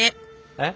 えっ？